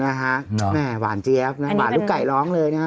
นะฮะแห้งมาหวานเจี๊ยบค่ะหวานลูกไก่ร้องเลยเนี่ย